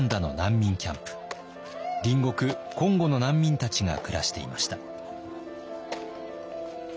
隣国コンゴの難民たちが暮らしていました。